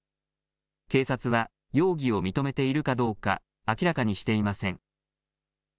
警察は容疑を認めているかどうか明らかにしていません。